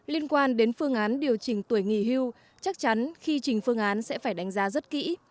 liên quan đến phương án điều chỉnh tuổi nghỉ hưu chắc chắn khi trình phương án sẽ phải đánh giá rất kỹ